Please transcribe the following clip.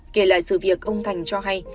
kể lại sự việc ông thành cho hay